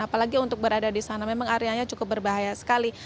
apalagi untuk berada di sana memang areanya cukup berbahaya sekali